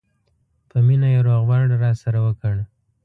په مینه یې روغبړ راسره وکړ.